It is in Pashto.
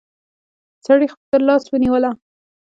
سړي تر لاس ونيوله.